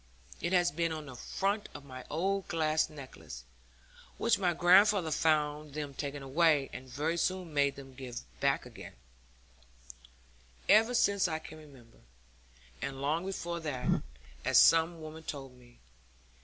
It has been on the front of my old glass necklace (which my grandfather found them taking away, and very soon made them give back again) ever since I can remember; and long before that, as some woman told me.